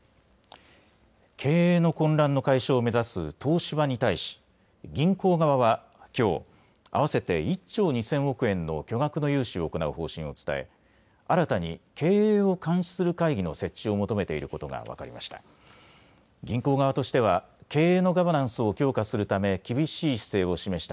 経営の混乱の解消を目指す東芝に対し銀行側はきょう、合わせて１兆２０００億円の巨額の融資を行う方針を伝え新たに経営を監視する会議の設置を求めていることが分かりました。